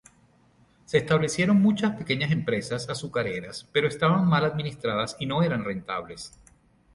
Se establecieron muchas pequeñas empresas azucareras, pero estaban mal administradas y no eran rentables.